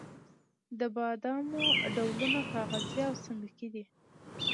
د بادامو ډولونه کاغذي او سنګي دي.